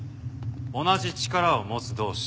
同じ力を持つ同志